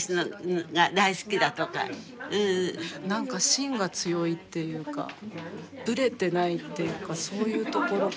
何か心が強いっていうかぶれてないっていうかそういうところかな。